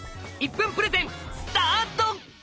１分プレゼンスタート！